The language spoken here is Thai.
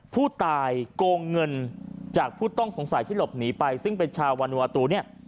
โกงเงินจากผู้ต้องสงสัยที่หลบหนีไปซึ่งเป็นชาววานวาตูเนี่ย